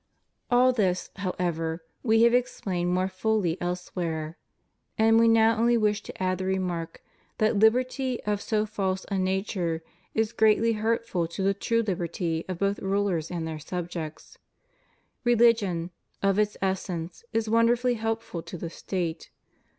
All this, however, We have explained more fully else where. We now only wish to add the remark that liberty of so false a nature is greatly hurtful to the true liberty of both rulers and their subjects. Religion, of its essence, is wonderfully helpful to the State.